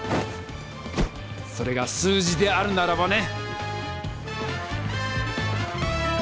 それが数字であるならばね！